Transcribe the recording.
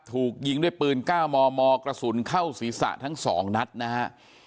ถูกยิงด้วยปืน๙มมกระสุนเข้าศีรษะทั้ง๒นัดนะฮะ